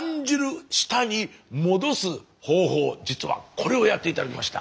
実はこれをやって頂きました。